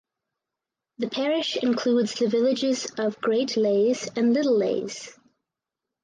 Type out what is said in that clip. The parish includes the villages of Great Leighs and Little Leighs.